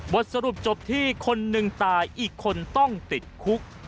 บทสรุปจบที่คนหนึ่งตายอีกคนต้องติดคุก